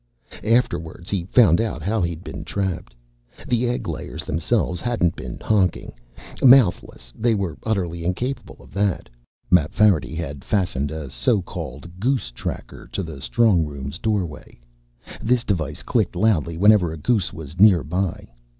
Afterwards, he found out how he'd been trapped. The egglayers themselves hadn't been honking. Mouthless, they were utterly incapable of that. Mapfarity had fastened a so called "goose tracker" to the strong room's doorway. This device clicked loudly whenever a goose was nearby.